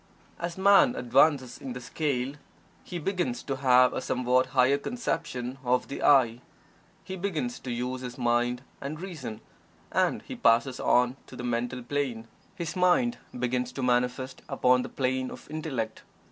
As Man advances in the scale, he begins to have a somewhat higher conception of the "I." He begins to use his mind and reason, and he passes on to the Mental Plane his mind begins to manifest upon the plane of Intellect.